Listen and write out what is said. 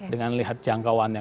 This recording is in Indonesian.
dengan lihat jangkauannya